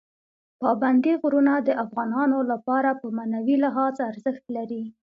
پابندي غرونه د افغانانو لپاره په معنوي لحاظ ارزښت لري.